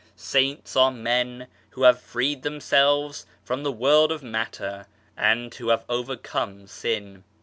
Saints are men who have freed themselves from the world of matter and who have overcome sin.